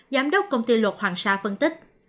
giám đốc công ty luật hoàng sa phân tích